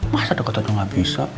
masa udah kata gak bisa